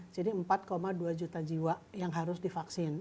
jadi empat dua juta jiwa yang harus divaksin